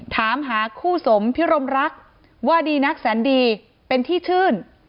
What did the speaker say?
ถามหาคู่สมพิรมรักว่าดีนักแสนดีเป็นที่ชื่น